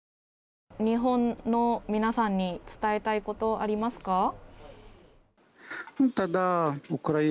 日本の皆さんに伝えたいこと、ありますか？